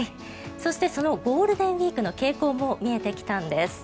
そしてそのゴールデンウィークの傾向も見えてきたんです。